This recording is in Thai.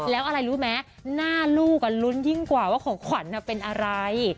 แล้วอะไรรู้ไหมหน้าลูกลุ้นยิ่งกว่าว่าของขวัญเป็นอะไร